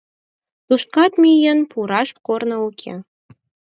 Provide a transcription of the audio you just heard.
Тушкат миен пураш корно уке.